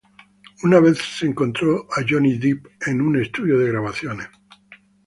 Una vez se encontró a Johnny Depp en un estudio de grabaciones.